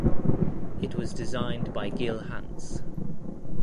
It was designed by Gil Hanse.